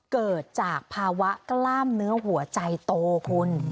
เกิดจากภาวะกล้ามเนื้อหัวใจโตคุณ